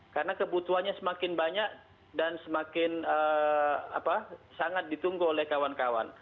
karena kebutuhannya semakin banyak dan semakin sangat ditunggu oleh kawan kawan